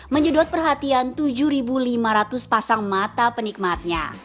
menjodoh perhatian tujuh ribu lima ratus pasang mata penikmatnya